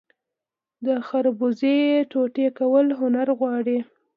د خربوزې ټوټې کول هنر غواړي.